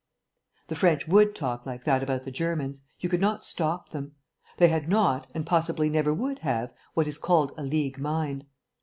The French would talk like that about the Germans: you could not stop them. They had not, and possibly never would have, what is called a League mind.